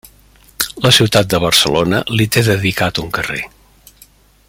La ciutat de Barcelona li té dedicat un carrer.